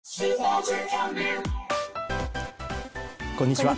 こんにちは。